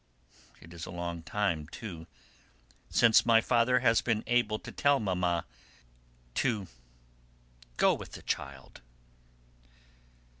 It is a long time, too, since my father has been able to tell Mamma to "Go with the child."